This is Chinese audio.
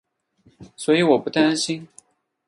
所以我不担心